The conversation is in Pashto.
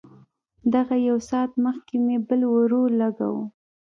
دغه يو ساعت مخکې مې بل ورولګاوه.